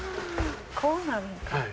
こうなるんか。